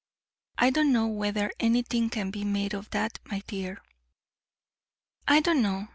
I don't know whether anything can be made of that, my dear." "I don't know.